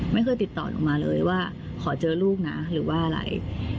ไม่เคยติดต่อหนูมาเลยว่าขอเจอลูกนะหรือว่าอะไร